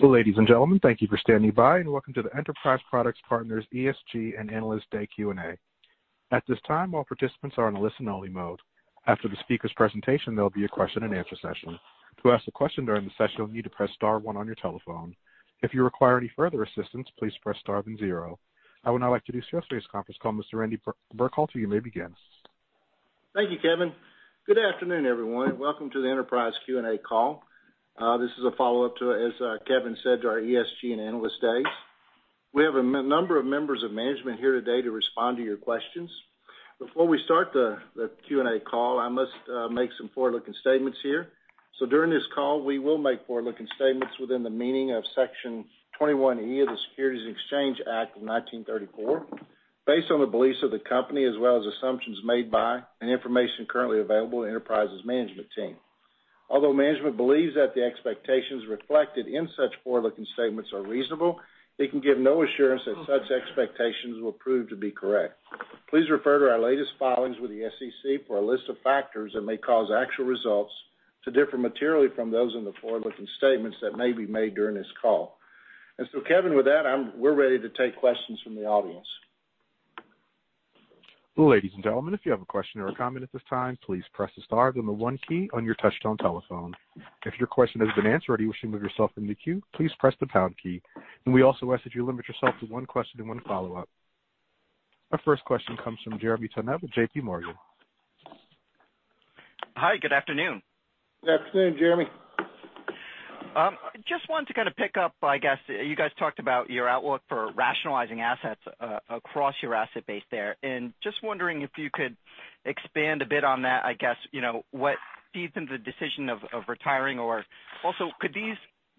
Ladies and gentlemen, thank you for standing by. Welcome to the Enterprise Products Partners ESG and Analyst Day Q&A. At this time, all participants are in listen only mode. After the speaker's presentation, there'll be a question and answer session. To ask a question during the session, you'll need to press star one on your telephone. If you require any further assistance, please press star then zero. I would now like to introduce today's conference call. Mr. Randy Burkhalter, you may begin. Thank you, Kevin. Good afternoon, everyone. Welcome to the Enterprise Q&A call. This is a follow-up to, as Kevin said, our ESG and Analyst Days. We have a number of members of management here today to respond to your questions. Before we start the Q&A call, I must make some forward-looking statements here. During this call, we will make forward-looking statements within the meaning of Section 21E of the Securities Exchange Act of 1934, based on the beliefs of the company as well as assumptions made by and information currently available to Enterprise's management team. Although management believes that the expectations reflected in such forward-looking statements are reasonable, they can give no assurance that such expectations will prove to be correct. Please refer to our latest filings with the SEC for a list of factors that may cause actual results to differ materially from those in the forward-looking statements that may be made during this call. Kevin, with that, we're ready to take questions from the audience. Our first question comes from Jeremy Tonet with JPMorgan. Hi, good afternoon. Good afternoon, Jeremy. Just wanted to pick up, you guys talked about your outlook for rationalizing assets across your asset base there, and just wondering if you could expand a bit on that. What feeds into the decision of retiring or also, could these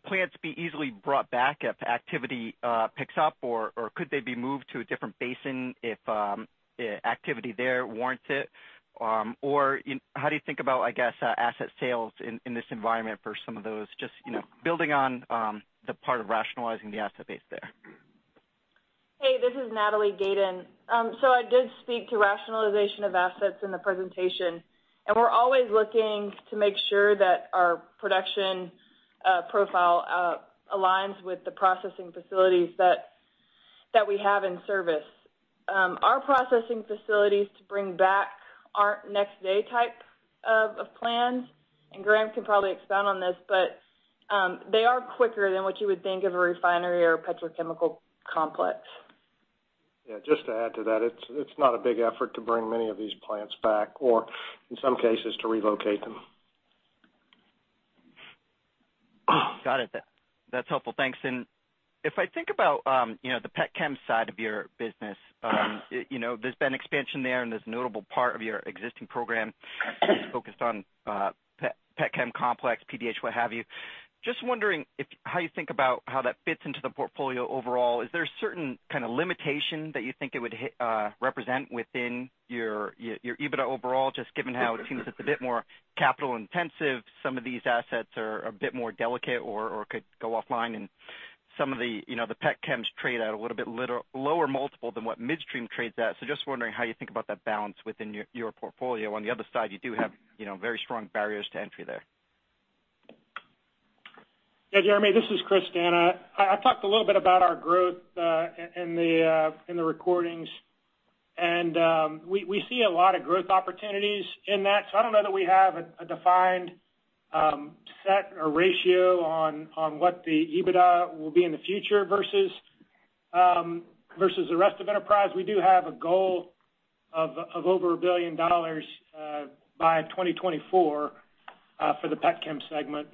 plants be easily brought back if activity picks up, or could they be moved to a different basin if activity there warrants it? How do you think about asset sales in this environment for some of those just building on the part of rationalizing the asset base there? Hey, this is Natalie Gayden. I did speak to rationalization of assets in the presentation, and we're always looking to make sure that our production profile aligns with the processing facilities that we have in service. Our processing facilities to bring back our next day type of plants, and Graham can probably expound on this, but they are quicker than what you would think of a refinery or a petrochemical complex. Just to add to that, it's not a big effort to bring many of these plants back or in some cases, to relocate them. Got it. That's helpful. Thanks. If I think about the pet chem side of your business, there's been expansion there, and there's a notable part of your existing program focused on pet chem complex, PDH, what have you. Just wondering how you think about how that fits into the portfolio overall. Is there a certain kind of limitation that you think it would represent within your EBITDA overall, just given how it seems it's a bit more capital intensive, some of these assets are a bit more delicate or could go offline and some of the petchems trade at a little bit lower multiple than what midstream trades at. Just wondering how you think about that balance within your portfolio. On the other side, you do have very strong barriers to entry there. Yeah, Jeremy, this is Chris D'Anna. I talked a little bit about our growth in the recordings, and we see a lot of growth opportunities in that. I don't know that we have a defined set or ratio on what the EBITDA will be in the future versus the rest of Enterprise. We do have a goal of over $1 billion by 2024 for the petchem segment.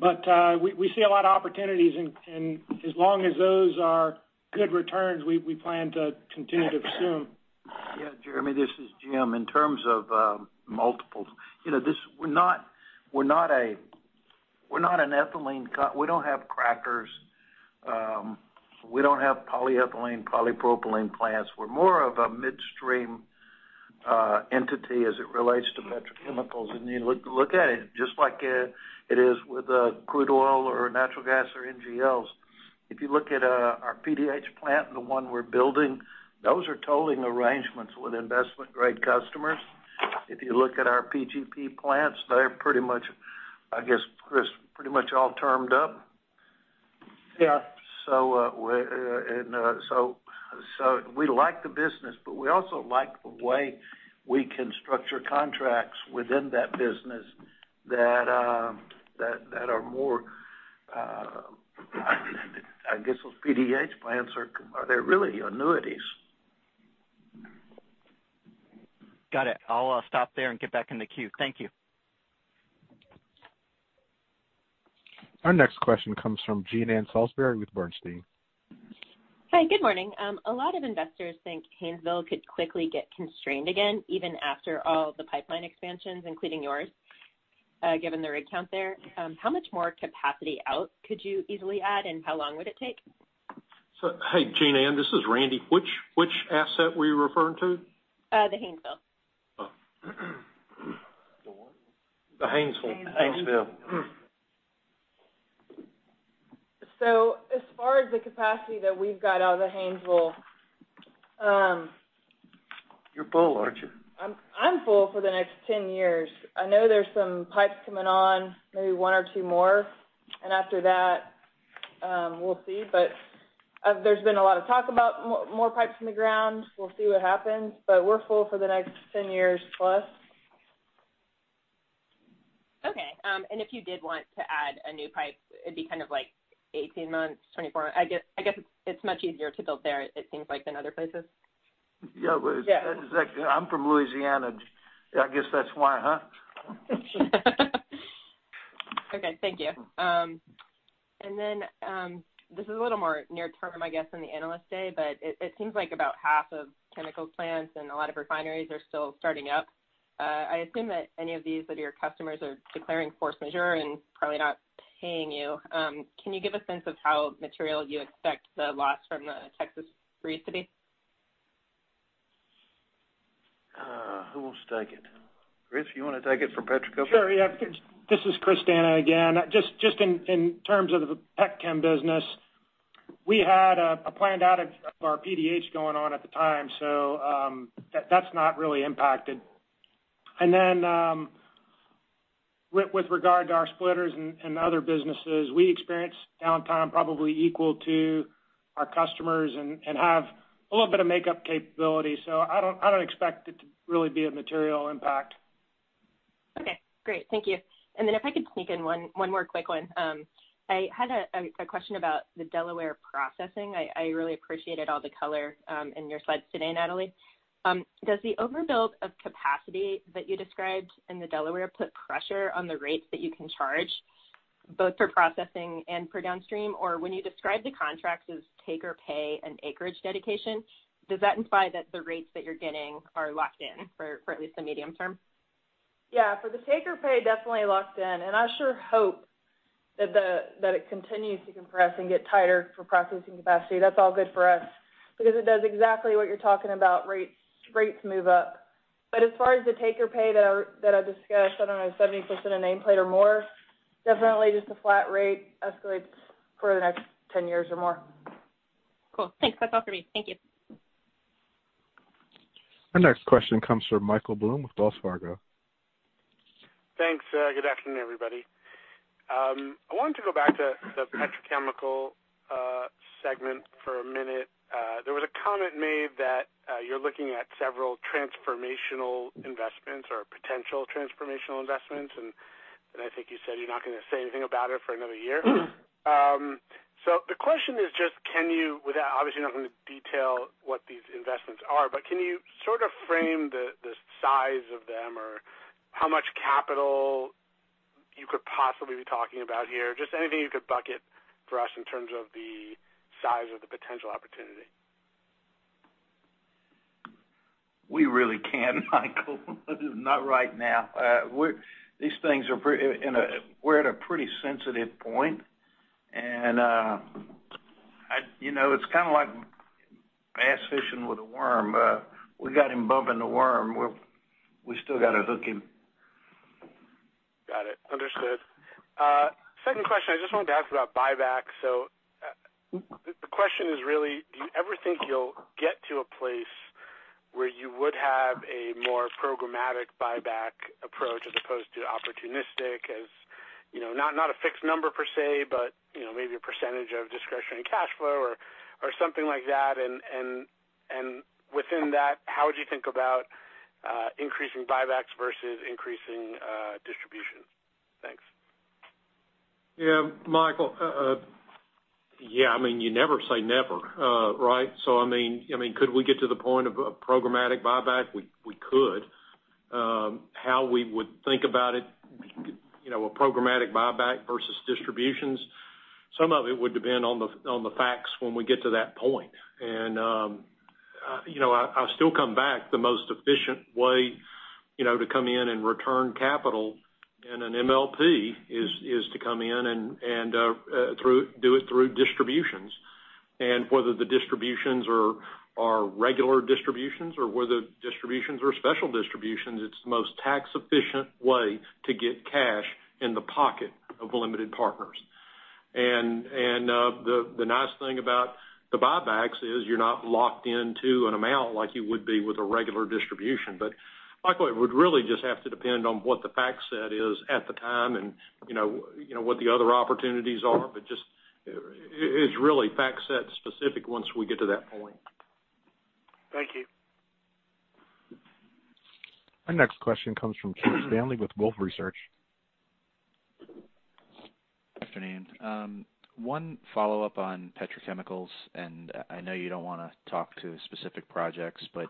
We see a lot of opportunities, and as long as those are good returns, we plan to continue to pursue them. Yeah. Jeremy, this is Jim. In terms of multiples, we're not an ethylene. We don't have crackers. We don't have polyethylene, polypropylene plants. We're more of a midstream entity as it relates to petrochemicals. You look at it just like it is with crude oil or natural gas or NGLs. If you look at our PDH plant and the one we're building, those are tolling arrangements with investment-grade customers. If you look at our PGP plants, they're pretty much, I guess, Chris, pretty much all termed up. Yeah. We like the business, but we also like the way we can structure contracts within that business that are, I guess, those PDH plants, they're really annuities. Got it. I'll stop there and get back in the queue. Thank you. Our next question comes from Jean Ann Salisbury with Bernstein. Hi, good morning. A lot of investors think Haynesville could quickly get constrained again, even after all the pipeline expansions, including yours, given the rig count there. How much more capacity out could you easily add, and how long would it take? Hey, Jean Ann, this is Randy. Which asset were you referring to? The Haynesville. Oh. The what? The Haynesville. Haynesville. As far as the capacity that we've got out of the Haynesville. You're full, aren't you? I'm full for the next 10 years. I know there's some pipes coming on, maybe one or two more, after that, we'll see. There's been a lot of talk about more pipes in the ground. We'll see what happens. We're full for the next 10 years plus. Okay. If you did want to add a new pipe, it'd be kind of like 18 months, 24. I guess it's much easier to build there, it seems like, than other places. Yeah. Yeah. I'm from Louisiana. I guess that's why, huh? Okay. Thank you. This is a little more near-term, I guess, than the Analyst Day, but it seems like about half of chemical plants and a lot of refineries are still starting up. I assume that any of these that are your customers are declaring force majeure and probably not paying you. Can you give a sense of how material you expect the loss from the Texas freeze to be? Who wants to take it? Chris, you want to take it from Petrochem? Sure, yeah. This is Chris D'Anna again. In terms of the petchem business, we had a planned outage of our PDH going on at the time, that's not really impacted. With regard to our splitters and other businesses, we experienced downtime probably equal to our customers and have a little bit of makeup capability. I don't expect it to really be a material impact. Okay, great. Thank you. If I could sneak in one more quick one. I had a question about the Delaware processing. I really appreciated all the color in your slides today, Natalie. Does the overbuild of capacity that you described in the Delaware put pressure on the rates that you can charge both for processing and for downstream? When you describe the contracts as take-or-pay and acreage dedication, does that imply that the rates that you're getting are locked in for at least the medium term? Yeah. For the take or pay, definitely locked in. I sure hope that it continues to compress and get tighter for processing capacity. That's all good for us because it does exactly what you're talking about. Rates move up. As far as the take or pay that I discussed, I don't know, 70% of nameplate or more, definitely just a flat rate escalates for the next 10 years or more. Cool. Thanks. That's all for me. Thank you. Our next question comes from Michael Blum with Wells Fargo. Thanks. Good afternoon, everybody. I wanted to go back to the petrochemical segment for a minute. There was a comment made that you're looking at several transformational investments or potential transformational investments, I think you said you're not going to say anything about it for another year. The question is just, can you, obviously you're not going to detail what these investments are, but can you sort of frame the size of them or how much capital you could possibly be talking about here? Just anything you could bucket for us in terms of the size of the potential opportunity. We really can't, Michael. Not right now. These things, we're at a pretty sensitive point, and it's kind of like bass fishing with a worm. We got him bumping the worm. We still got to hook him. Got it. Understood. Second question, I just wanted to ask about buybacks. The question is really, do you ever think you'll get to a place where you would have a more programmatic buyback approach as opposed to opportunistic? Not a fixed number per se, but maybe a percentage of discretionary cash flow or something like that. Within that, how would you think about increasing buybacks versus increasing distribution? Thanks. Michael, I mean, you never say never, right? Could we get to the point of a programmatic buyback? We could. How we would think about it, a programmatic buyback versus distributions, some of it would depend on the facts when we get to that point. I still come back. The most efficient way to come in and return capital in an MLP is to come in and do it through distributions. Whether the distributions are regular distributions or whether distributions are special distributions, it's the most tax-efficient way to get cash in the pocket of limited partners. The nice thing about the buybacks is you're not locked into an amount like you would be with a regular distribution. Michael, it would really just have to depend on what the fact set is at the time and what the other opportunities are. It's really fact set specific once we get to that point. Thank you. Our next question comes from Keith Stanley with Wolfe Research. Afternoon. One follow-up on petrochemicals, and I know you don't want to talk to specific projects, but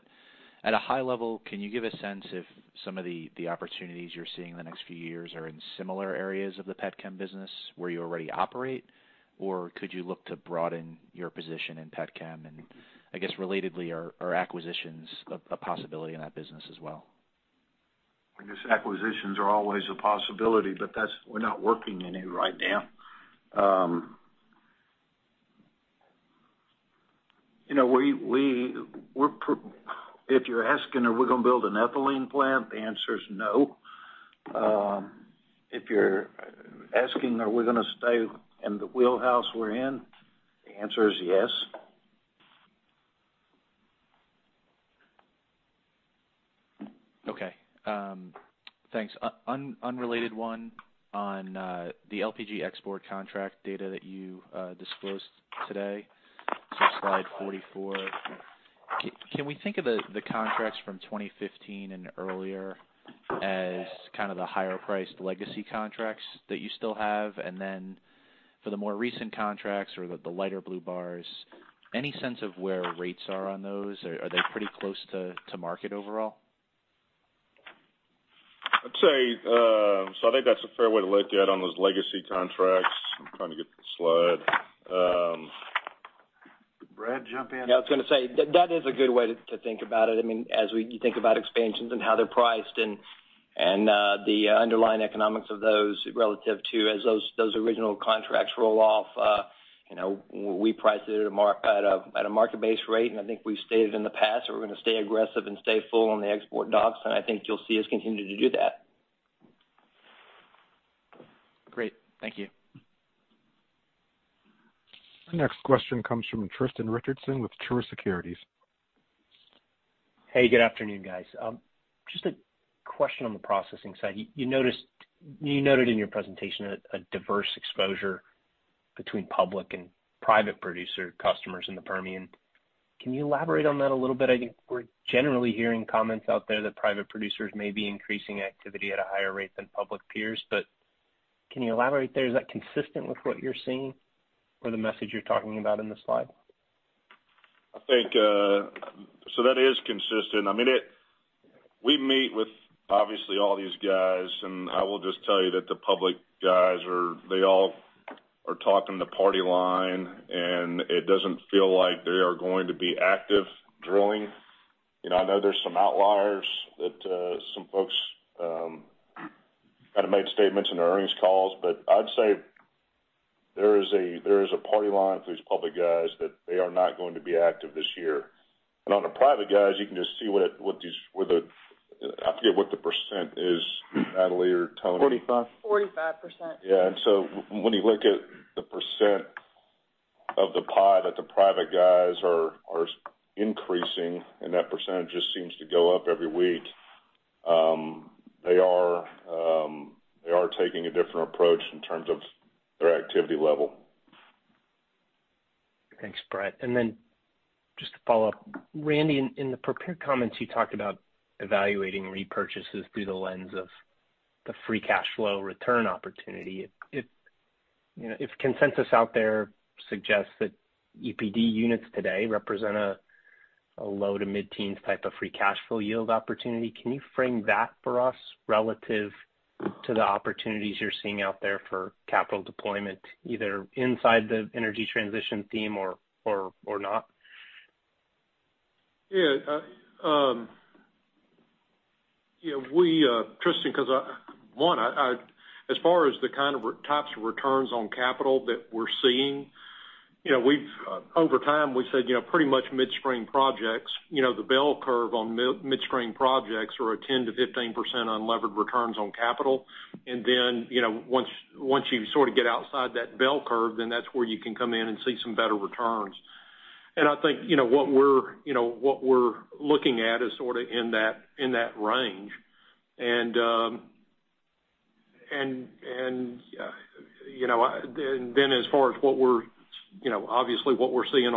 at a high level, can you give a sense if some of the opportunities you're seeing in the next few years are in similar areas of the petrochemicals business where you already operate, or could you look to broaden your position in petchem? I guess relatedly, are acquisitions a possibility in that business as well? I guess acquisitions are always a possibility. We're not working any right now. If you're asking, are we going to build an ethylene plant? The answer is no. If you're asking, are we going to stay in the wheelhouse we're in? The answer is yes. Okay. Thanks. Unrelated one on the LPG export contract data that you disclosed today. Slide 44. Can we think of the contracts from 2015 and earlier as kind of the higher priced legacy contracts that you still have? For the more recent contracts or the lighter blue bars, any sense of where rates are on those? Are they pretty close to market overall? I'd say, so I think that's a fair way to look at it on those legacy contracts. I'm trying to get the slide. Brad, jump in. Yeah, I was going to say that is a good way to think about it. As we think about expansions and how they're priced and the underlying economics of those relative to as those original contracts roll off, we price it at a market-based rate, and I think we've stated in the past that we're going to stay aggressive and stay full on the export docks, and I think you'll see us continue to do that. Great. Thank you. Our next question comes from Tristan Richardson with Truist Securities. Hey, good afternoon, guys. Just a question on the processing side. You noted in your presentation a diverse exposure between public and private producer customers in the Permian. Can you elaborate on that a little bit? I think we're generally hearing comments out there that private producers may be increasing activity at a higher rate than public peers. Can you elaborate there? Is that consistent with what you're seeing or the message you're talking about in the slide? I think, that is consistent. We meet with obviously all these guys. I will just tell you that the public guys are, they all are talking the party line, and it doesn't feel like they are going to be active drilling. I know there's some outliers that some folks kind of made statements in their earnings calls. I'd say there is a party line for these public guys that they are not going to be active this year. On the private guys, you can just see what these. I forget what the percent is, Natalie or Tony. 45. 45%. Yeah. When you look at the % of the pie that the private guys are increasing, and that percentage just seems to go up every week. They are taking a different approach in terms of their activity level. Thanks, Brad. Just to follow up, Randall, in the prepared comments, you talked about evaluating repurchases through the lens of the free cash flow return opportunity. If consensus out there suggests that EPD units today represent a low to mid-teens type of free cash flow yield opportunity, can you frame that for us relative to the opportunities you're seeing out there for capital deployment, either inside the energy transition theme or not? Tristan, one, as far as the kind of types of returns on capital that we're seeing, over time we've said pretty much midstream projects, the bell curve on midstream projects are a 10%-15% unlevered returns on capital. Once you sort of get outside that bell curve, that's where you can come in and see some better returns. I think what we're looking at is sort of in that range. As far as, obviously what we're seeing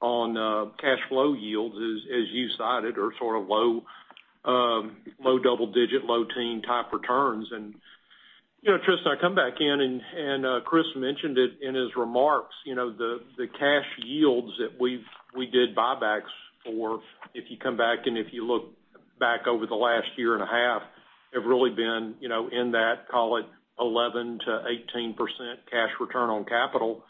on cash flow yields is, as you cited, are sort of low double-digit, low teen type returns. Tristan, I come back in and Chris mentioned it in his remarks, the cash yields that we did buybacks for, if you come back and if you look back over the last year and a half, have really been in that, call it 11%-18% cash return on capital.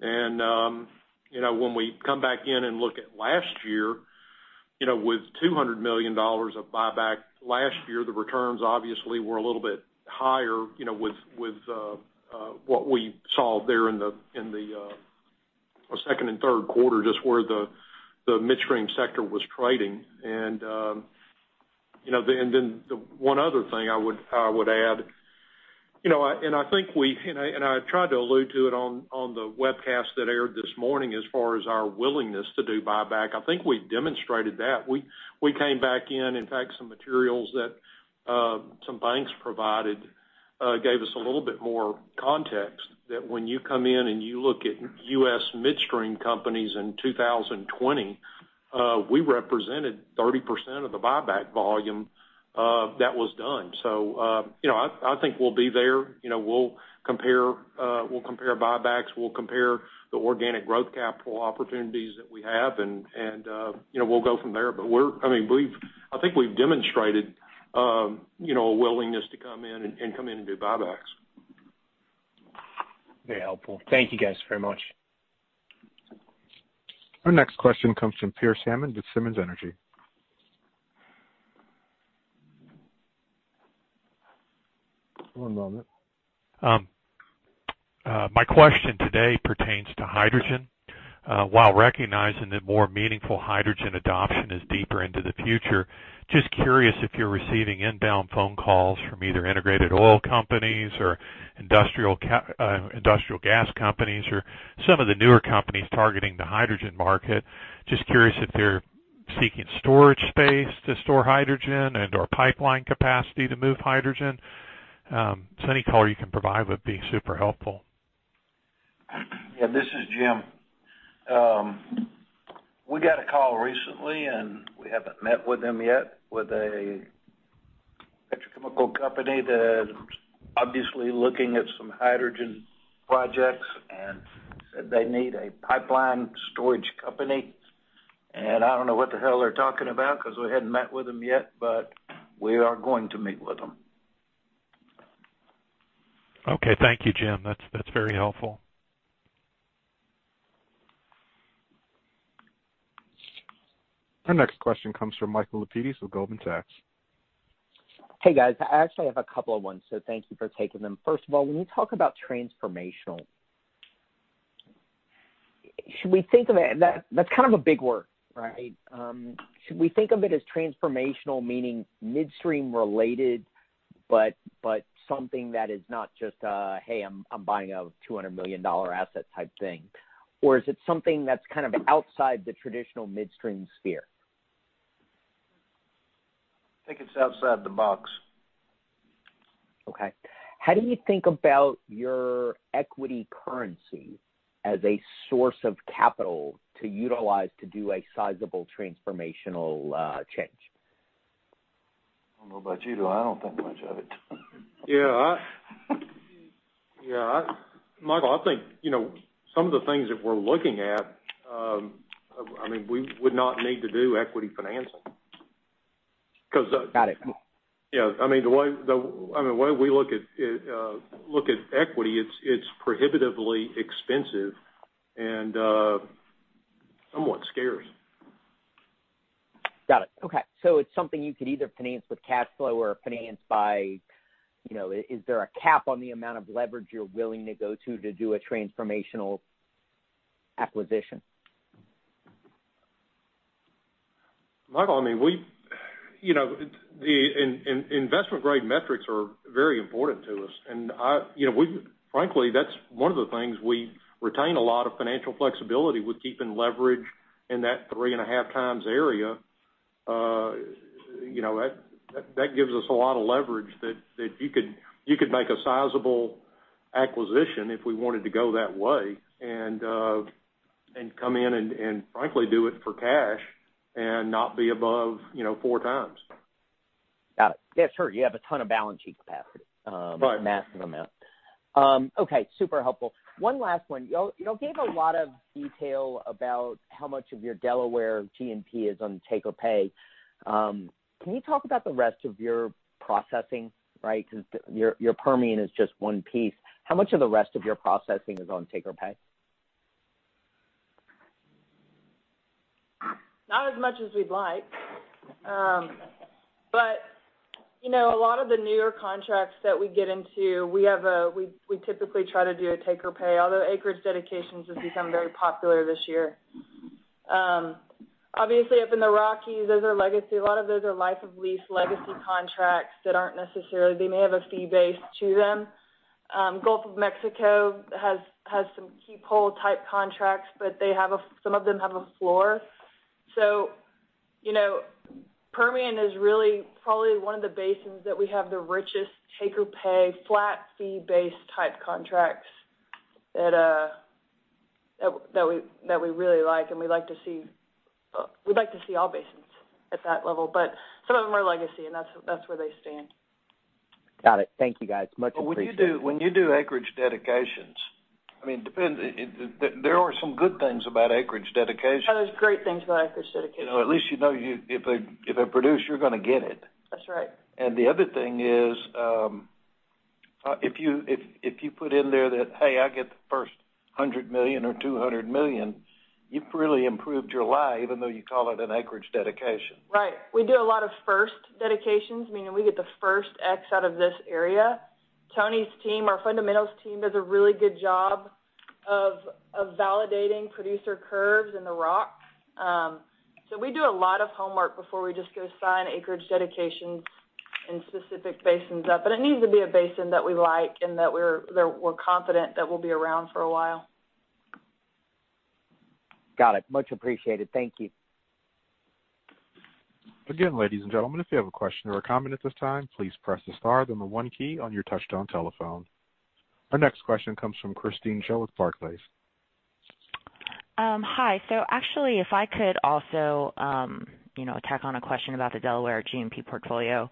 When we come back in and look at last year, with $200 million of buyback last year, the returns obviously were a little bit higher with what we saw there in the second and third quarter, just where the midstream sector was trading. The one other thing I would add, I tried to allude to it on the webcast that aired this morning as far as our willingness to do buyback. I think we've demonstrated that. We came back in. In fact, some materials that some banks provided gave us a little bit more context that when you come in and you look at U.S. midstream companies in 2020, we represented 30% of the buyback volume that was done. I think we'll be there. We'll compare buybacks, we'll compare the organic growth capital opportunities that we have, and we'll go from there. I think we've demonstrated a willingness to come in and do buybacks. Very helpful. Thank you guys very much. Our next question comes from Pearce Hammond with Simmons Energy. One moment. My question today pertains to hydrogen. While recognizing that more meaningful hydrogen adoption is deeper into the future, just curious if you're receiving inbound phone calls from either integrated oil companies or industrial gas companies or some of the newer companies targeting the hydrogen market. Just curious if they're seeking storage space to store hydrogen and/or pipeline capacity to move hydrogen. Any color you can provide would be super helpful. Yeah, this is Jim. We got a call recently, and we haven't met with them yet, with a petrochemical company that is obviously looking at some hydrogen projects and said they need a pipeline storage company. I don't know what the hell they're talking about because we hadn't met with them yet, but we are going to meet with them. Okay. Thank you, Jim. That's very helpful. Our next question comes from Michael Lapides with Goldman Sachs. Hey, guys. I actually have a couple of ones. Thank you for taking them. First of all, when you talk about transformational, that's kind of a big word, right? Should we think of it as transformational, meaning midstream related, but something that is not just a, "Hey, I'm buying a $200 million asset type thing," or is it something that's kind of outside the traditional midstream sphere? I think it's outside the box. How do you think about your equity currency as a source of capital to utilize to do a sizable transformational change? I don't know about you, but I don't think much of it. Yeah. Michael, I think, some of the things that we're looking at, we would not need to do equity financing because. Got it. Yeah. The way we look at equity, it's prohibitively expensive and somewhat scary. Got it. It's something you could either finance with cash flow or finance. Is there a cap on the amount of leverage you're willing to go to do a transformational acquisition? Michael, investment-grade metrics are very important to us, and frankly, that's one of the things we retain a lot of financial flexibility with keeping leverage in that three and a half times area. That gives us a lot of leverage that you could make a sizable acquisition if we wanted to go that way and come in and frankly do it for cash and not be above four times. Got it. Yeah, sure. You have a ton of balance sheet capacity. Right. A massive amount. Okay. Super helpful. One last one. You all gave a lot of detail about how much of your Delaware G&P is on take-or-pay. Can you talk about the rest of your processing? Right? Because your Permian is just one piece. How much of the rest of your processing is on take-or-pay? Not as much as we'd like. A lot of the newer contracts that we get into, we typically try to do a take-or-pay, although acreage dedications has become very popular this year. Obviously, up in the Rockies, those are legacy. A lot of those are life of lease legacy contracts. They may have a fee base to them. Gulf of Mexico has some keep-whole type contracts, but some of them have a floor. Permian is really probably one of the basins that we have the richest take-or-pay flat fee base type contracts that we really like. We'd like to see all basins at that level, but some of them are legacy, and that's where they stand. Got it. Thank you, guys. Much appreciated. When you do acreage dedications, there are some good things about acreage dedications. Oh, there's great things about acreage dedications. At least you know if they produce, you're going to get it. That's right. The other thing is, if you put in there that, hey, I get the first $100 million or $200 million, you've really improved your life, even though you call it an acreage dedication. Right. We do a lot of first dedications, meaning we get the first X out of this area. Tony's team, our fundamentals team, does a really good job of validating producer curves in the rock. We do a lot of homework before we just go sign acreage dedications in specific basins up. It needs to be a basin that we like and that we're confident that will be around for a while. Got it. Much appreciated. Thank you. Our next question comes from Theresa Chen with Barclays. Hi. Actually if I could also tack on a question about the Delaware G&P portfolio.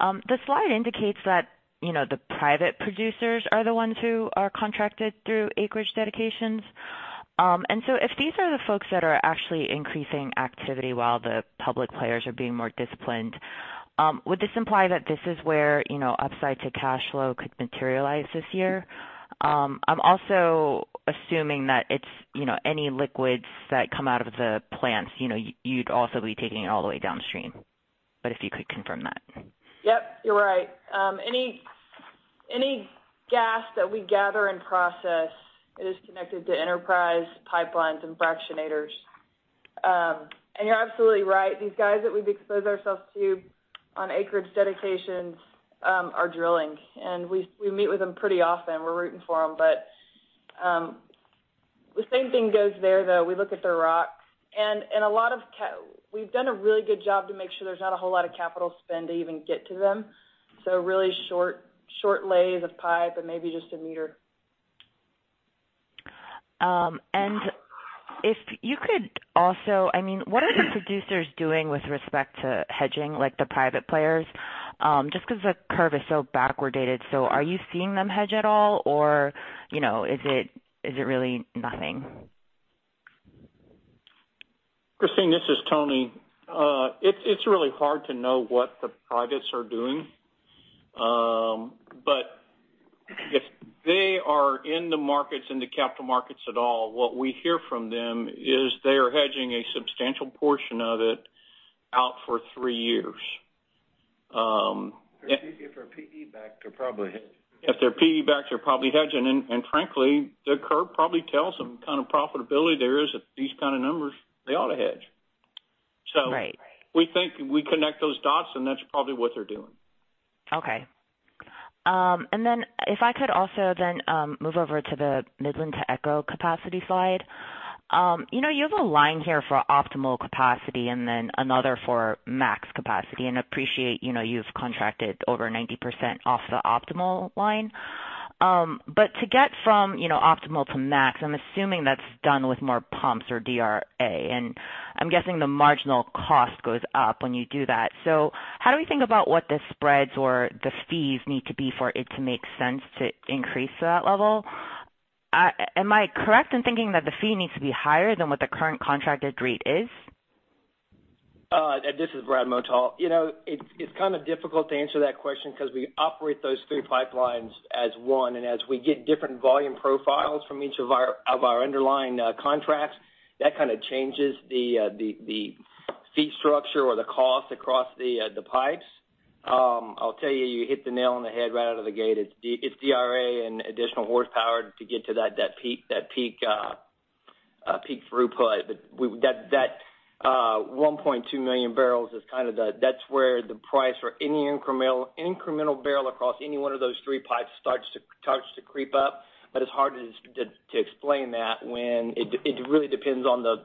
The slide indicates that the private producers are the ones who are contracted through acreage dedications. If these are the folks that are actually increasing activity while the public players are being more disciplined, would this imply that this is where upside to cash flow could materialize this year? I'm also assuming that it's any liquids that come out of the plants, you'd also be taking it all the way downstream, but if you could confirm that. Yep, you're right. Any gas that we gather and process is connected to Enterprise pipelines and fractionators. You're absolutely right. These guys that we've exposed ourselves to on acreage dedications are drilling, and we meet with them pretty often. We're rooting for them. The same thing goes there, though. We look at their rocks, and we've done a really good job to make sure there's not a whole lot of capital spend to even get to them. Really short lays of pipe and maybe just a meter. If you could what are the producers doing with respect to hedging, like the private players? Just because the curve is so backward dated. Are you seeing them hedge at all or is it really nothing? Christine, this is Tony. It's really hard to know what the privates are doing. If they are in the markets, in the capital markets at all, what we hear from them is they are hedging a substantial portion of it out for three years. If they're PE-backed, they're probably hedging. If they're PE-backed, they're probably hedging. Frankly, the curve probably tells them kind of profitability there is at these kind of numbers, they ought to hedge. Right. We think we connect those dots, and that's probably what they're doing. Okay. If I could also then move over to the Midland to ECHO capacity slide. You have a line here for optimal capacity and then another for max capacity, and appreciate you've contracted over 90% off the optimal line. To get from optimal to max, I'm assuming that's done with more pumps or DRA, and I'm guessing the marginal cost goes up when you do that. How do we think about what the spreads or the fees need to be for it to make sense to increase to that level? Am I correct in thinking that the fee needs to be higher than what the current contracted rate is? This is Brad Motal. It's kind of difficult to answer that question because we operate those three pipelines as one. As we get different volume profiles from each of our underlying contracts, that kind of changes the fee structure or the cost across the pipes. I'll tell you hit the nail on the head right out of the gate. It's DRA and additional horsepower to get to that peak throughput. That 1.2 million barrels is kind of the, that's where the price for any incremental barrel across any one of those three pipes starts to creep up. It's hard to explain that when it really depends on the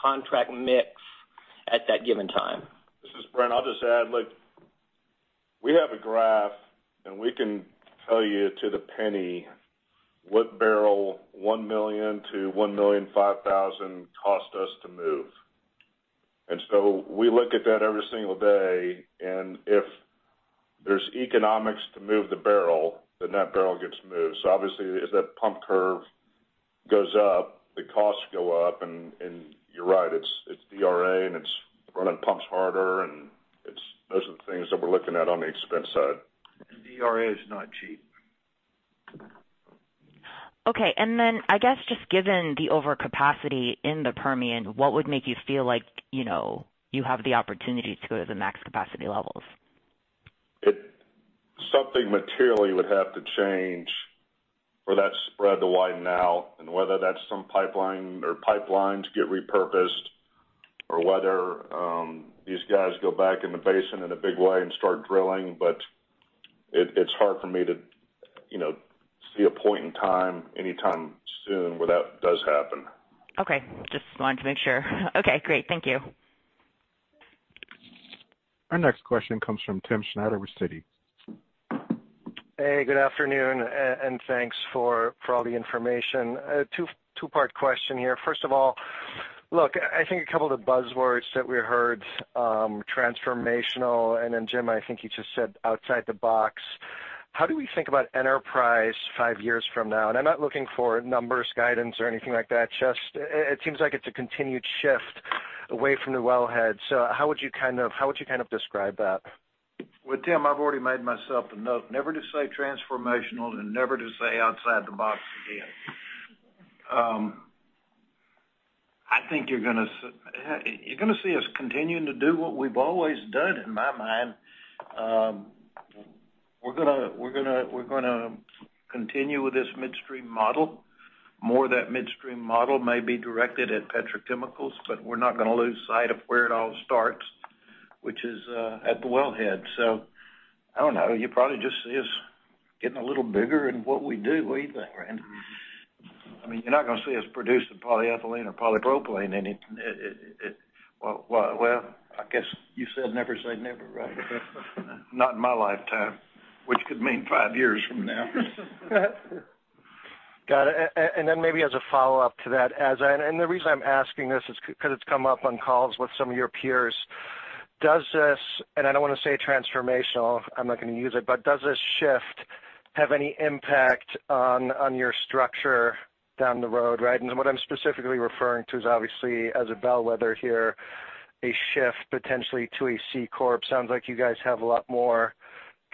contract mix at that given time. This is Brent. I'll just add, look, we have a graph, and we can tell you to the penny what barrel 1 million to 1,005,000 cost us to move. We look at that every single day, and if there's economics to move the barrel, then that barrel gets moved. Obviously, as that pump curve goes up, the costs go up, and you're right, it's DRA, and it's running pumps harder, and those are the things that we're looking at on the expense side. DRA is not cheap. Okay. Then I guess just given the overcapacity in the Permian, what would make you feel like you have the opportunity to go to the max capacity levels? Something materially would have to change for that spread to widen now, whether that's some pipeline or pipelines get repurposed or whether these guys go back in the basin in a big way and start drilling. It's hard for me to see a point in time anytime soon where that does happen. Okay. Just wanted to make sure. Okay, great. Thank you. Our next question comes from Timm Schneider with Citi. Hey, good afternoon, and thanks for all the information. A two-part question here. First of all, look, I think a couple of the buzzwords that we heard, transformational, and then Jim, I think you just said outside the box. How do we think about Enterprise five years from now? I'm not looking for numbers, guidance, or anything like that. Just, it seems like it's a continued shift away from the wellhead. How would you kind of describe that? Well, Timm, I've already made myself a note never to say transformational and never to say outside the box again. I think you're going to see us continuing to do what we've always done in my mind. We're going to continue with this midstream model. More of that midstream model may be directed at petrochemicals, we're not going to lose sight of where it all starts, which is at the wellhead. I don't know. You probably just see us getting a little bigger in what we do. What do you think, Randy? You're not going to see us producing polyethylene or polypropylene. Well, I guess you said never say never, right? Not in my lifetime, which could mean five years from now. Got it. Maybe as a follow-up to that, and the reason I'm asking this is because it's come up on calls with some of your peers. Does this, and I don't want to say transformational, I'm not going to use it, but does this shift have any impact on your structure down the road, right? What I'm specifically referring to is obviously as a bellwether here, a shift potentially to a C corp. Sounds like you guys have a lot more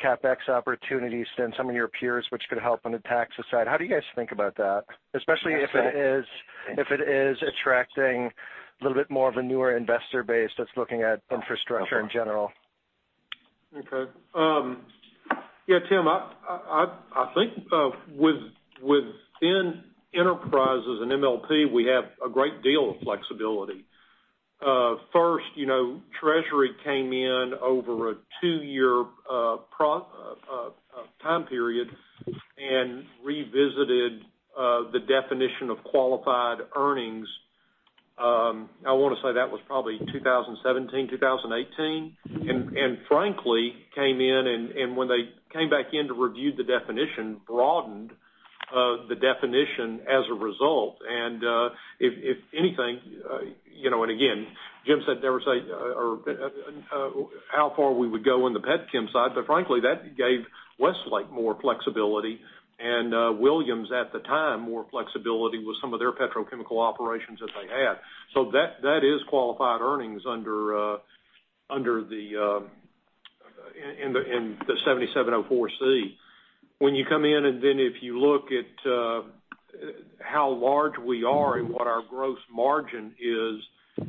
CapEx opportunities than some of your peers, which could help on the tax side. How do you guys think about that? Especially if it is attracting a little bit more of a newer investor base that's looking at infrastructure in general. Okay. Yeah, Timm, I think within Enterprise and MLP, we have a great deal of flexibility. Treasury came in over a two-year time period and revisited the definition of qualified earnings. I want to say that was probably 2017, 2018. Frankly, came in and when they came back in to review the definition, broadened the definition as a result. If anything, and again, Jim said never say how far we would go on the petchem side, but frankly, that gave Westlake more flexibility, and Williams, at the time, more flexibility with some of their petrochemical operations that they had. That is qualified earnings in the 7704(c). When you come in and then if you look at how large we are and what our gross margin is,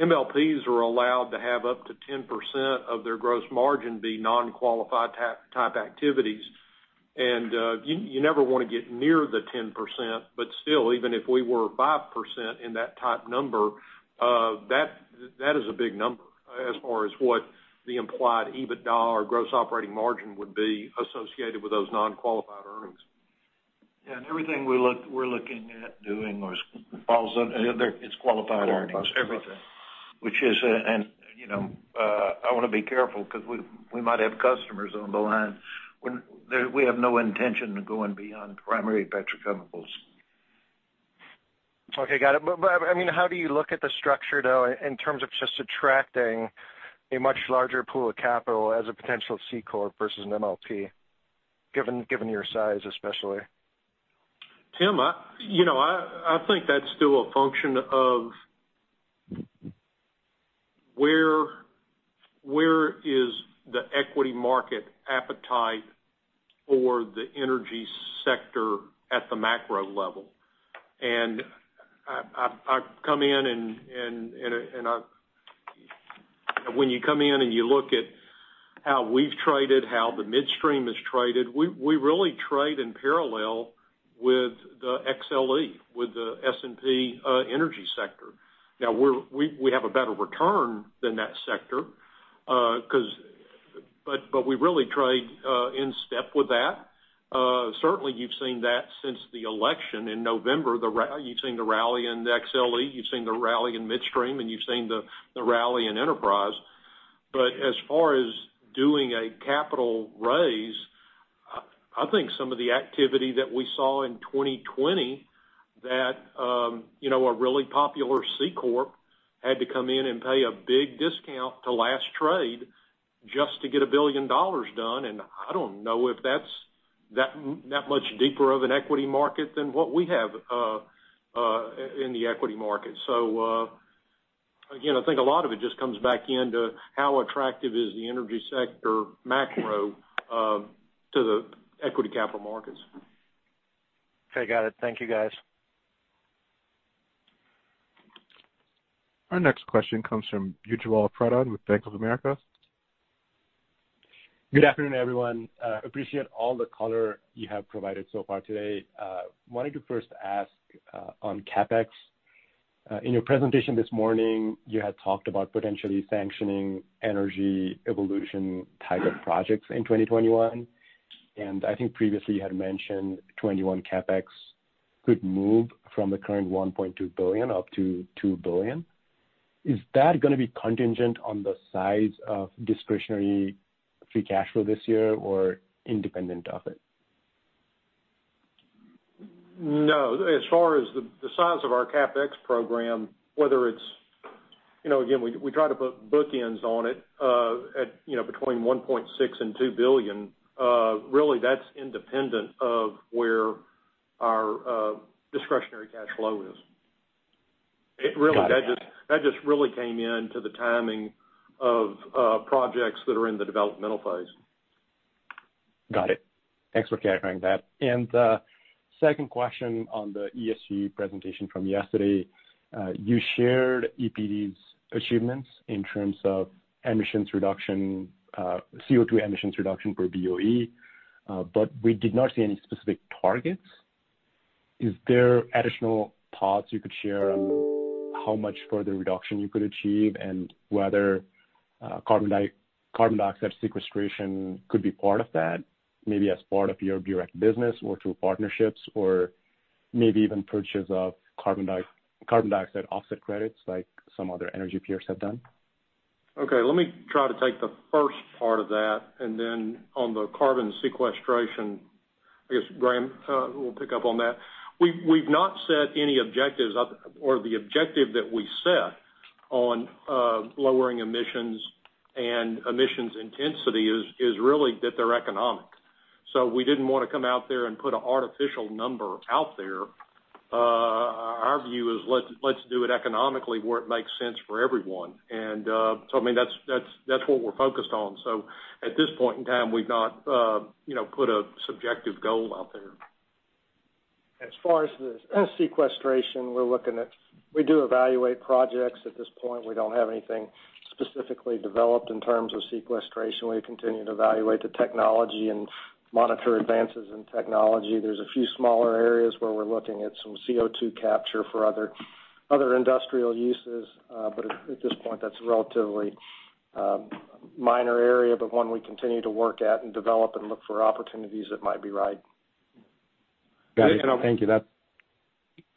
MLPs are allowed to have up to 10% of their gross margin be non-qualified type activities. You never want to get near the 10%, but still, even if we were 5% in that type number, that is a big number as far as what the implied EBITDA or gross operating margin would be associated with those non-qualified earnings. Yeah. Everything we're looking at doing, it's qualifying income. Qualified. Everything. Which is, I want to be careful because we might have customers on the line. We have no intention of going beyond primary petrochemicals. Okay, got it. How do you look at the structure, though, in terms of just attracting a much larger pool of capital as a potential C corp versus an MLP, given your size, especially? Timm, I think that's still a function of where is the equity market appetite for the energy sector at the macro level. When you come in and you look at how we've traded, how the midstream has traded, we really trade in parallel with the XLE, with the S&P energy sector. Now, we have a better return than that sector, but we really trade in step with that. Certainly, you've seen that since the election in November. You've seen the rally in the XLE, you've seen the rally in midstream, and you've seen the rally in Enterprise. As far as doing a capital raise, I think some of the activity that we saw in 2020 that a really popular C corp had to come in and pay a big discount to last trade just to get $1 billion done. I don't know if that's that much deeper of an equity market than what we have in the equity market. Again, I think a lot of it just comes back into how attractive is the energy sector macro to the equity capital markets. Okay, got it. Thank you, guys. Our next question comes from Ujjwal Pradhan with Bank of America. Good afternoon, everyone. Appreciate all the color you have provided so far today. Wanted to first ask, on CapEx. In your presentation this morning, you had talked about potentially sanctioning energy evolution type of projects in 2021. I think previously you had mentioned 2021 CapEx could move from the current $1.2 billion up to $2 billion. Is that going to be contingent on the size of discretionary free cash flow this year, or independent of it? No. As far as the size of our CapEx program, whether it's again, we try to put bookends on it at between $1.6 and $2 billion. Really, that's independent of where our discretionary cash flow is. Got it. That just really came in to the timing of projects that are in the developmental phase. Got it. Thanks for clarifying that. Second question on the ESG presentation from yesterday. You shared EPD's achievements in terms of emissions reduction, CO2 emissions reduction per BOE, but we did not see any specific targets. Is there additional thoughts you could share on how much further reduction you could achieve? Whether carbon dioxide sequestration could be part of that? Maybe as part of your direct business or through partnerships, or maybe even purchase of carbon dioxide offset credits like some other energy peers have done. Okay. Let me try to take the first part of that, and then on the carbon sequestration, I guess Graham will pick up on that. We've not set any objectives, or the objective that we set on lowering emissions and emissions intensity is really that they're economic. We didn't want to come out there and put an artificial number out there. Our view is let's do it economically where it makes sense for everyone. I mean, that's what we're focused on. At this point in time, we've not put a subjective goal out there. As far as the sequestration we're looking at, we do evaluate projects. At this point, we don't have anything specifically developed in terms of sequestration. We continue to evaluate the technology and monitor advances in technology. There's a few smaller areas where we're looking at some CO2 capture for other industrial uses. At this point, that's a relatively minor area, but one we continue to work at and develop and look for opportunities that might be right. Got it. Thank you.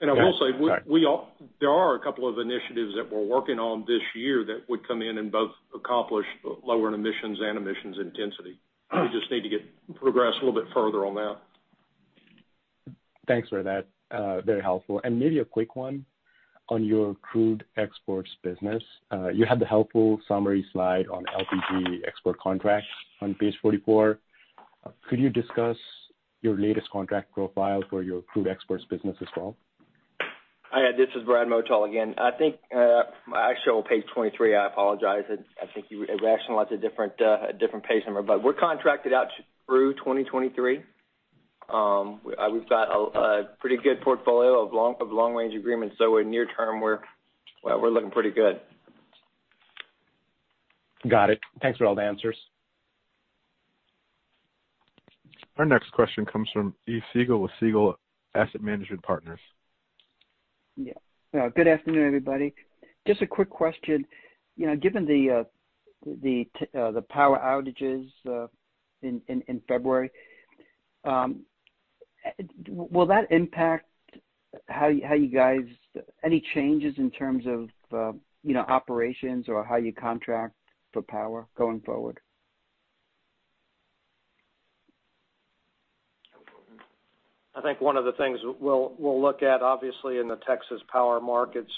I will say. Sorry. There are a couple of initiatives that we're working on this year that would come in and both accomplish lower emissions and emissions intensity. We just need to progress a little bit further on that. Thanks for that. Very helpful. Maybe a quick one on your crude exports business. You had the helpful summary slide on LPG export contracts on page 44. Could you discuss your latest contract profile for your crude exports business as well? This is Brad Motal again. I think actually on page 23, I apologize. I think you rationalized a different page number, but we're contracted out through 2023. We've got a pretty good portfolio of long-range agreements. In near term, we're looking pretty good. Got it. Thanks for all the answers. Our next question comes from Yves Siegel with Siegel Asset Management Partners. Yeah. Good afternoon, everybody. Just a quick question. Given the power outages in February, will that impact any changes in terms of operations or how you contract for power going forward? I think one of the things we'll look at, obviously, in the Texas power markets,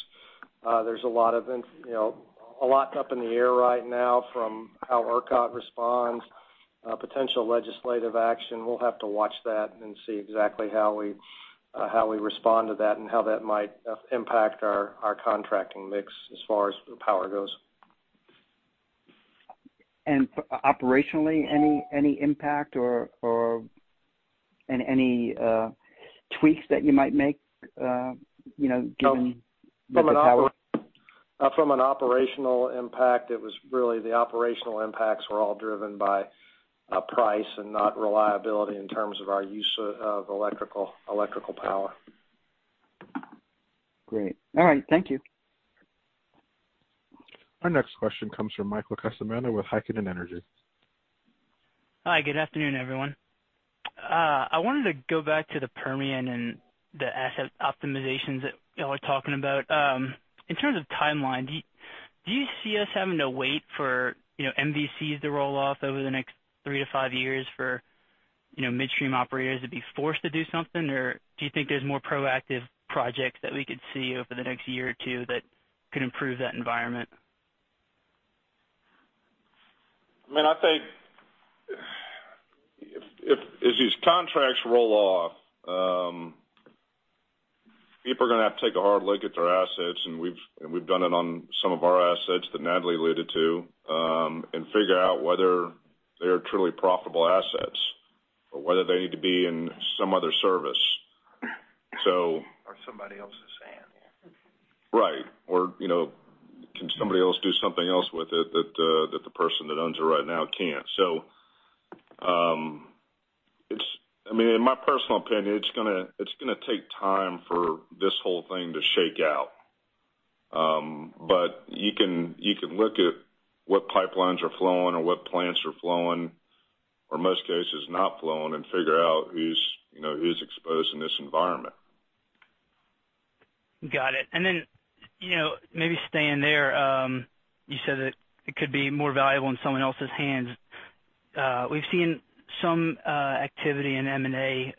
there's a lot up in the air right now from how ERCOT responds, potential legislative action. We'll have to watch that and see exactly how we respond to that and how that might impact our contracting mix as far as power goes. Operationally, any impact or any tweaks that you might make given the power? From an operational impact, it was really the operational impacts were all driven by price and not reliability in terms of our use of electrical power. Great. All right. Thank you. Our next question comes from Michael Cusimano with Heikkinen Energy Advisors. Hi, good afternoon, everyone. I wanted to go back to the Permian and the asset optimizations that y'all are talking about. In terms of timeline, do you see us having to wait for MVCs to roll off over the next three to five years for midstream operators to be forced to do something? Or do you think there's more proactive projects that we could see over the next year or two that could improve that environment? I mean, I think as these contracts roll off, people are going to have to take a hard look at their assets, and we've done it on some of our assets that Natalie alluded to, and figure out whether they are truly profitable assets or whether they need to be in some other service. Somebody else's hand. Right. Can somebody else do something else with it that the person that owns it right now can't? In my personal opinion, it's going to take time for this whole thing to shake out. You can look at what pipelines are flowing or what plants are flowing, or most cases not flowing, and figure out who's exposed in this environment. Got it. Maybe staying there, you said that it could be more valuable in someone else's hands. We've seen some activity in M&A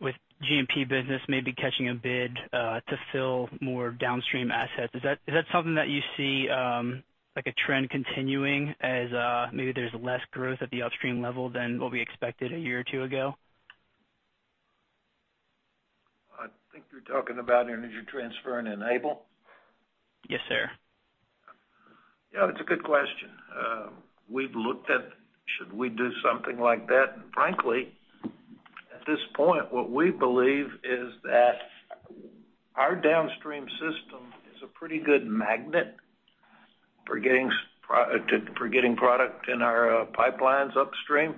with G&P business maybe catching a bid to fill more downstream assets. Is that something that you see like a trend continuing as maybe there's less growth at the upstream level than what we expected a year or two ago? I think you're talking about Energy Transfer and Enable. Yes, sir. Yeah, it's a good question. We've looked at should we do something like that. Frankly, at this point, what we believe is that our downstream system is a pretty good magnet for getting product in our pipelines upstream.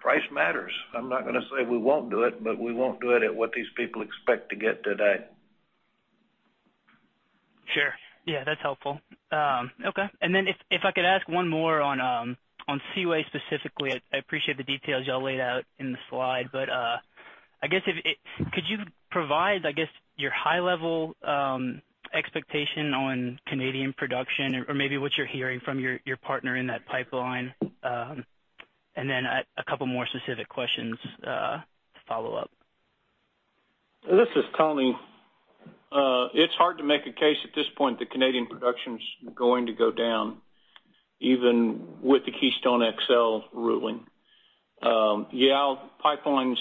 Price matters. I'm not going to say we won't do it, but we won't do it at what these people expect to get today. Sure. Yeah, that's helpful. Okay. If I could ask one more on Seaway specifically. I appreciate the details y'all laid out in the slide, but I guess could you provide, I guess, your high-level expectation on Canadian production or maybe what you're hearing from your partner in that pipeline? A couple more specific questions to follow up. This is Tony. It's hard to make a case at this point that Canadian production's going to go down, even with the Keystone XL ruling. Yeah, pipelines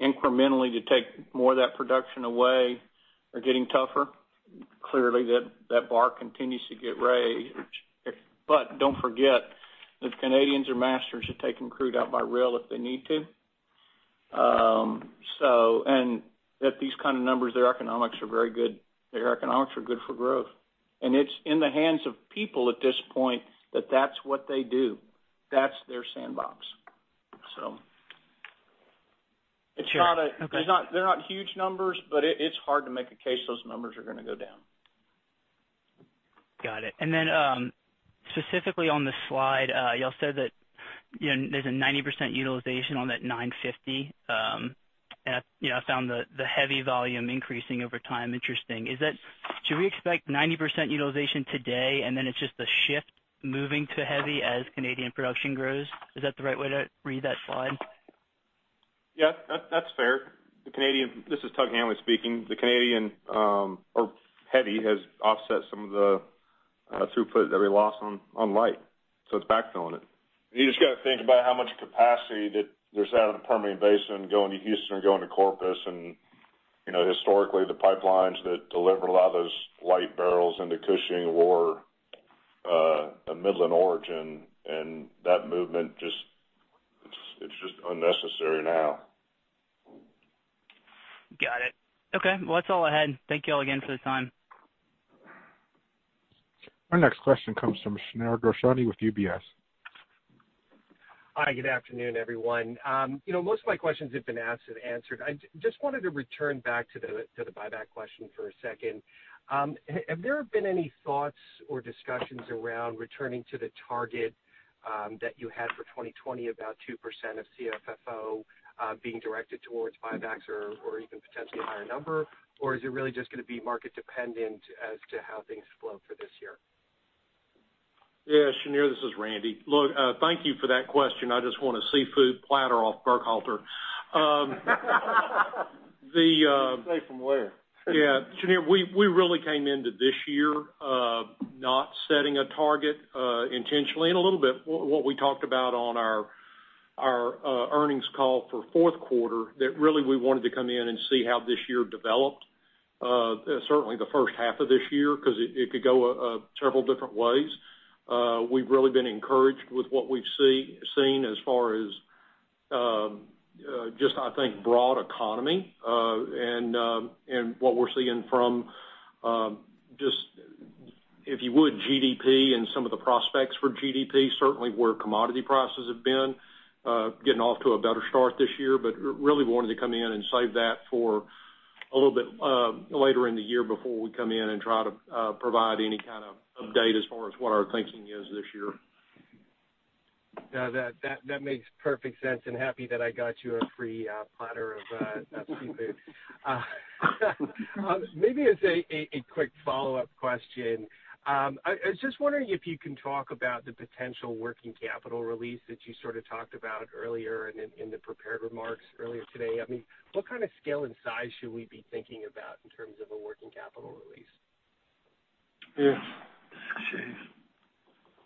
incrementally to take more of that production away are getting tougher. Clearly, that bar continues to get raised. Don't forget, the Canadians are masters at taking crude out by rail if they need to. At these kind of numbers, their economics are very good. Their economics are good for growth. It's in the hands of people at this point that that's what they do. That's their sandbox. Sure. Okay. they're not huge numbers, but it's hard to make a case those numbers are gonna go down. Got it. Specifically on this slide, y'all said that there's a 90% utilization on that 950. I found the heavy volume increasing over time interesting. Should we expect 90% utilization today, and then it's just a shift moving to heavy as Canadian production grows? Is that the right way to read that slide? Yeah. That's fair. This is Tug Hanley speaking. The Canadian or heavy has offset some of the throughput that we lost on light, so it's backfilling it. You just got to think about how much capacity that there's out of the Permian Basin going to Houston or going to Corpus. Historically, the pipelines that delivered a lot of those light barrels into Cushing were Midland origin. That movement, it's just unnecessary now. Got it. Okay. That's all I had. Thank you all again for the time. Our next question comes from Shneur Gershuni with UBS. Hi, good afternoon, everyone. Most of my questions have been asked and answered. I just wanted to return back to the buyback question for a second. Have there been any thoughts or discussions around returning to the target that you had for 2020, about 2% of CFFO being directed towards buybacks or even potentially a higher number? Is it really just going to be market-dependent as to how things flow for this year? Yeah, Shneur, this is Randy. Thank you for that question. I just won a seafood platter off Burkhalter. You didn't say from where. Yeah. Shneur, we really came into this year not setting a target intentionally. A little bit what we talked about on our earnings call for fourth quarter, that really we wanted to come in and see how this year developed. Certainly the first half of this year, because it could go several different ways. We've really been encouraged with what we've seen as far as just, I think, broad economy, and what we're seeing from just, if you would, GDP and some of the prospects for GDP. Certainly where commodity prices have been. Getting off to a better start this year. Really wanted to come in and save that for a little bit later in the year before we come in and try to provide any kind of update as far as what our thinking is this year. Yeah, that makes perfect sense and happy that I got you a free platter of seafood. Maybe as a quick follow-up question. I was just wondering if you can talk about the potential working capital release that you sort of talked about earlier in the prepared remarks earlier today. What kind of scale and size should we be thinking about in terms of a working capital release? Yeah. Shneur.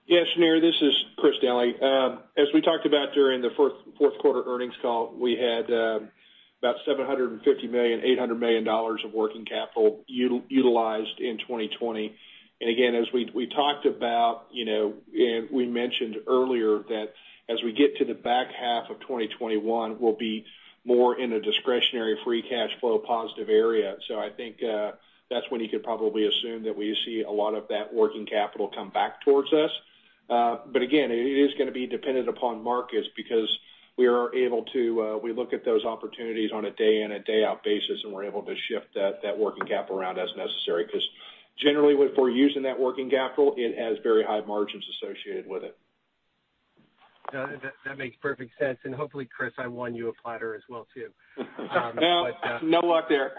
Yeah, Shneur. This is Chris D'Anna. As we talked about during the fourth quarter earnings call, we had about $750 million, $800 million of working capital utilized in 2020. Again, as we talked about, we mentioned earlier that as we get to the back half of 2021, we'll be more in a discretionary, free cash flow positive area. I think that's when you could probably assume that we see a lot of that working capital come back towards us. Again, it is going to be dependent upon markets because we look at those opportunities on a day in, a day out basis, and we're able to shift that working capital around as necessary. Generally, when we're using that working capital, it has very high margins associated with it. Yeah, that makes perfect sense. Hopefully, Chris, I won you a platter as well too. No, no luck there.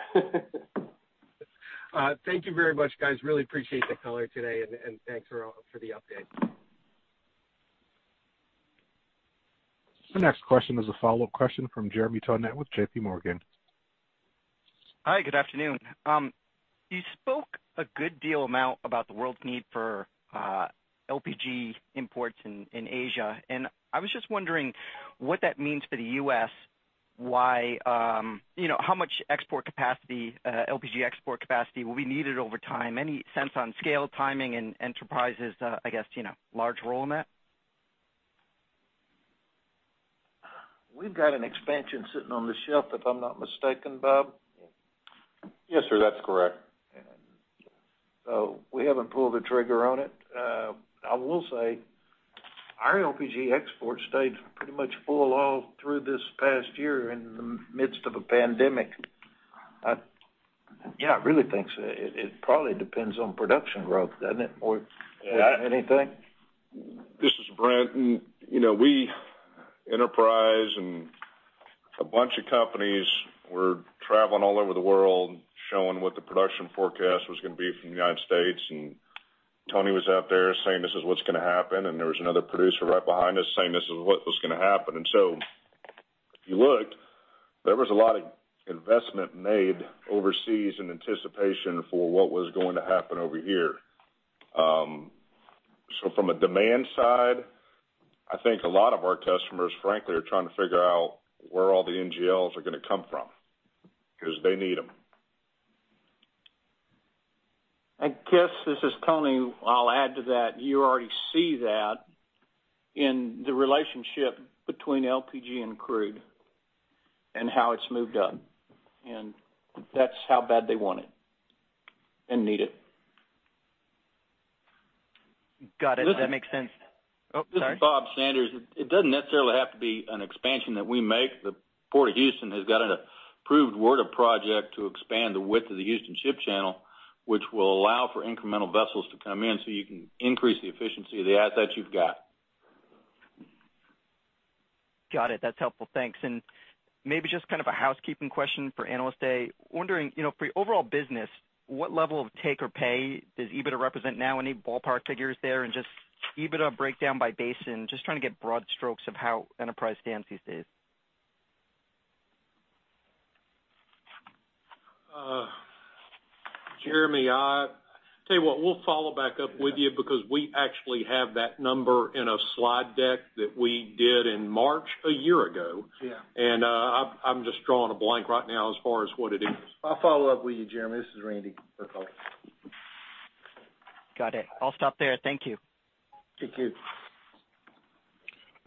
Thank you very much, guys. Really appreciate the color today, and thanks for the update. The next question is a follow-up question from Jeremy Tonet with JPMorgan. Hi, good afternoon. You spoke a good deal amount about the world's need for LPG imports in Asia, and I was just wondering what that means for the U.S. How much export capacity, LPG export capacity, will be needed over time? Any sense on scale, timing, and Enterprise's, I guess, large role in that? We've got an expansion sitting on the shelf, if I'm not mistaken, Bob? Yes, sir. That's correct. We haven't pulled the trigger on it. I will say our LPG exports stayed pretty much full all through this past year in the midst of a pandemic. I really think it probably depends on production growth, doesn't it? Anything? This is Brent. We, Enterprise, and a bunch of companies were traveling all over the world showing what the production forecast was going to be from the United States and Tony was out there saying, "This is what's going to happen," and there was another producer right behind us saying, "This is what was going to happen." If you looked, there was a lot of investment made overseas in anticipation for what was going to happen over here. From a demand side, I think a lot of our customers, frankly, are trying to figure out where all the NGLs are going to come from, because they need them. Jeremy, this is Tony. I'll add to that. You already see that in the relationship between LPG and crude and how it's moved up, and that's how bad they want it and need it. Got it. That makes sense. Oh, sorry. This is Bob Sanders. It doesn't necessarily have to be an expansion that we make. The Port of Houston has got an approved widening project to expand the width of the Houston Ship Channel, which will allow for incremental vessels to come in so you can increase the efficiency of the assets you've got. Got it. That's helpful. Thanks. Maybe just kind of a housekeeping question for Analyst Day. Wondering, for your overall business, what level of take or pay does EBITDA represent now? Any ballpark figures there? Just EBITDA breakdown by basin. Just trying to get broad strokes of how Enterprise stands these days. Jeremy, I tell you what, we'll follow back up with you because we actually have that number in a slide deck that we did in March a year ago. Yeah. I'm just drawing a blank right now as far as what it is. I'll follow up with you, Jeremy. This is Randy. Got it. I'll stop there. Thank you. Thank you.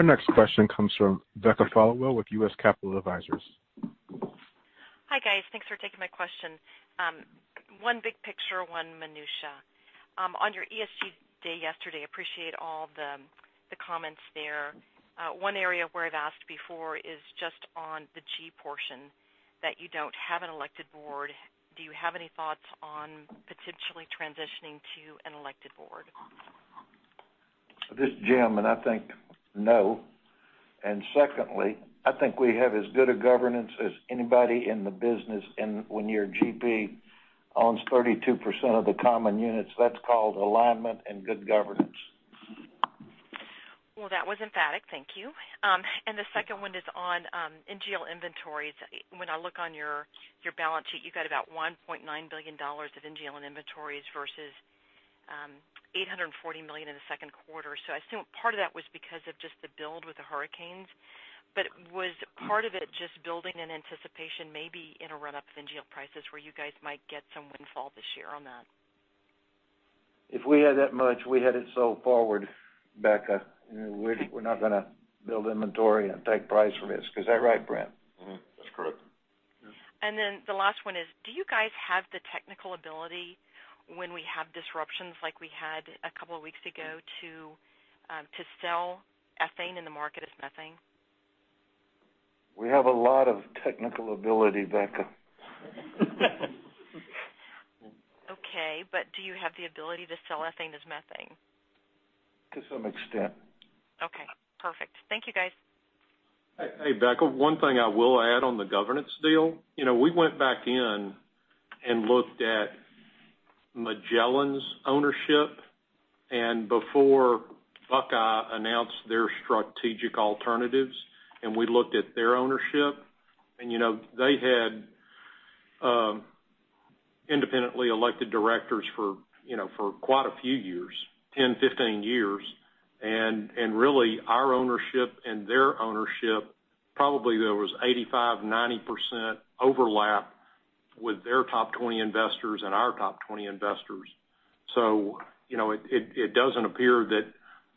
Our next question comes from Becca Followill with U.S. Capital Advisors. Hi, guys. Thanks for taking my question. One big picture, one minutia. On your ESG day yesterday, I appreciate all the comments there. One area where I've asked before is just on the G portion that you don't have an elected board. Do you have any thoughts on potentially transitioning to an elected board? This is Jim, I think no. Secondly, I think we have as good a governance as anybody in the business. When your GP owns 32% of the common units, that's called alignment and good governance. Well, that was emphatic. Thank you. The second one is on NGL inventories. When I look on your balance sheet, you've got about $1.9 billion of NGL in inventories versus $840 million in the second quarter. I assume part of that was because of just the build with the hurricanes. Was part of it just building in anticipation, maybe in a run-up of NGL prices where you guys might get some windfall this year on that? If we had that much, we had it so forward, Becca. We're not going to build inventory and take price risk. Is that right, Brent? Mm-hmm. That's correct. The last one is, do you guys have the technical ability when we have disruptions like we had a couple of weeks ago to sell ethane in the market as methane? We have a lot of technical ability, Becca. Okay, do you have the ability to sell ethane as methane? To some extent. Okay, perfect. Thank you, guys. Hey, Becca, one thing I will add on the governance deal. We went back in and looked at Magellan's ownership and before Buckeye announced their strategic alternatives, and we looked at their ownership. They had independently elected directors for quite a few years, 10, 15 years. Really our ownership and their ownership, probably there was 85%, 90% overlap with their top 20 investors and our top 20 investors. It doesn't appear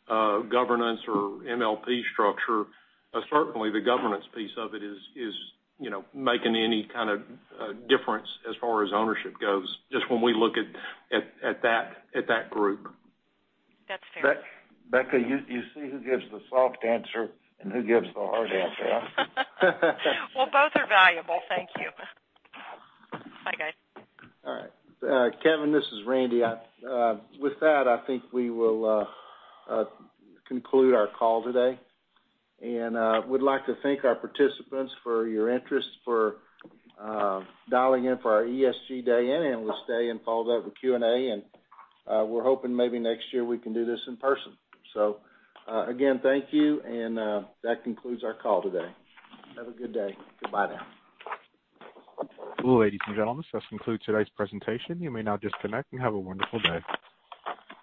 that governance or MLP structure, certainly the governance piece of it is making any kind of difference as far as ownership goes, just when we look at that group. That's fair. Becca, you see who gives the soft answer and who gives the hard answer, huh? Both are valuable. Thank you. Bye, guys. All right. Kevin, this is Randy. With that, I think we will conclude our call today. We'd like to thank our participants for your interest for dialing in for our ESG Day, and we'll stay and follow up with Q&A, and we're hoping maybe next year we can do this in person. Again, thank you, and that concludes our call today. Have a good day. Goodbye now. Well, ladies and gentlemen, this concludes today's presentation. You may now disconnect, and have a wonderful day.